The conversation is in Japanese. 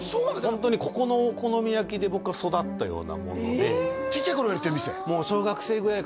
ホントにここのお好み焼きで僕は育ったようなものでちっちゃい頃から行ってる店？